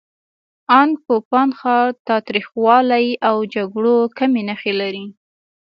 ان کوپان ښار تاوتریخوالي او جګړو کمې نښې لري.